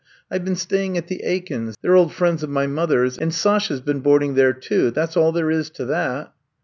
I Ve been staying at the Aikens *— they *re old friends of my mother *s, and — Sasha *s been board ing there, too — ^that *s all there is to that.